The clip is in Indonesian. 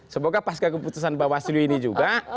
semoga pasca keputusan bawaslu ini juga